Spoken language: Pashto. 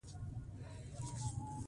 دا د زړې انګلیسي ژوره څیړنه وړاندې کوي.